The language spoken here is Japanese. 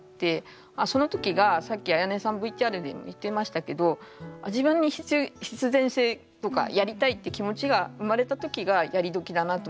その時がさっきあやねさんＶＴＲでも言ってましたけど自分に必然性とかやりたいって気持ちが生まれた時がやりどきだなと思ってて。